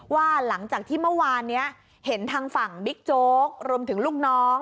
ว่าหลังจากที่เมื่อวานนี้เห็นทางฝั่งบิ๊กโจ๊กรวมถึงลูกน้อง